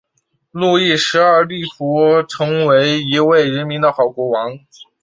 路易十二力图成为一位人民的好国王。